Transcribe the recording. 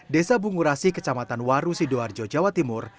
desa bungurasi kecamatan waru sidoarjo jawa timur